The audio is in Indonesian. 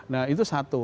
nah itu satu